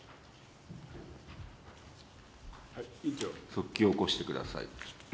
速記を起こしてください。